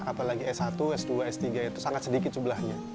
apalagi s satu s dua s tiga itu sangat sedikit jumlahnya